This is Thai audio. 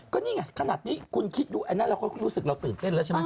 ก็นี่ไงขนาดนี้คุณคิดดูอันนั้นแล้วเรารู้สึกตื่นเต้นใช่ไหม